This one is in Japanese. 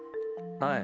はい。